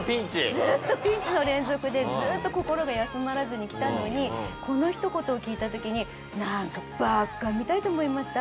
ずっとピンチの連続でずっと心が休まらずにきたのにこのひと言を聞いた時になんかバカみたいと思いました。